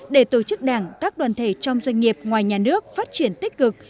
để tổ chức đảng các đoàn thể trong doanh nghiệp ngoài nhà nước phát triển tích cực